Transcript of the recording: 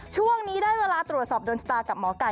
ช่วงนี้ได้เวลาตรวจสอบโดนชะตากับหมอไก่